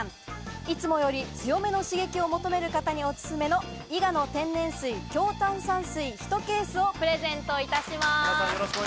いつもより強めの刺激を求める方におすすめの伊賀の天然水強炭酸水１ケースをプレゼントいたします。